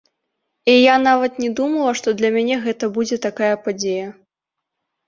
І я нават не думала, што для мяне гэта будзе такая падзея!